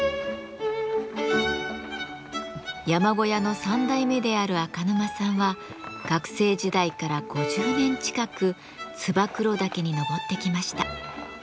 山小屋の３代目である赤沼さんは学生時代から５０年近く燕岳に登ってきました。